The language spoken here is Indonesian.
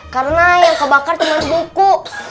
karena yang kebakar cuma buku